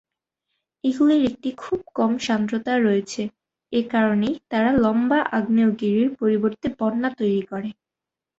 এগুলির একটি খুব কম সান্দ্রতা রয়েছে, এ কারণেই তারা লম্বা আগ্নেয়গিরির পরিবর্তে 'বন্যা' তৈরি করে।